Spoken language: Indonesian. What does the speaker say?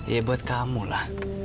ya buat kamu lah